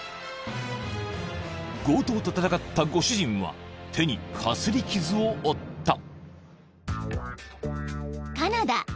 ［強盗と戦ったご主人は手にかすり傷を負った］